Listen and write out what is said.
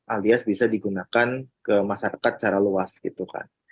alias bisa digunakan ke masyarakat secara luas gitu kan